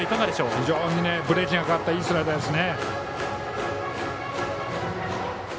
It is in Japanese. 非常にブレーキがかかったいいスライダーですね。